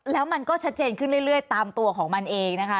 แล้วมันก็ชัดเจนขึ้นเรื่อยตามตัวของมันเองนะคะ